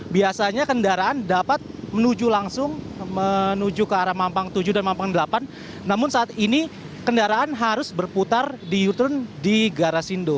biasanya kendaraan dapat menuju langsung menuju ke arah mampang tujuh dan mampang delapan namun saat ini kendaraan harus berputar di utron di garasindo